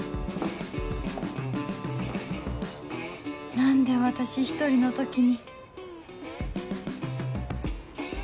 何で私１人の時に